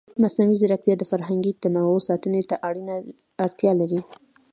مصنوعي ځیرکتیا د فرهنګي تنوع ساتنې ته اړتیا لري.